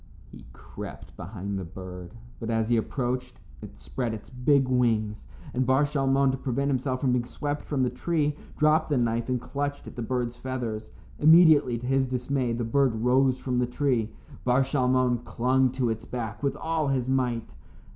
He crept behind the bird, but as he approached it spread its big wings, and Bar Shalmon, to prevent himself being swept from the tree, dropped the knife and clutched at the bird's feathers. Immediately, to his dismay, the bird rose from the tree. Bar Shalmon clung to its back with all his might.